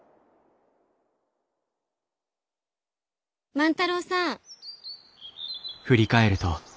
万太郎さん。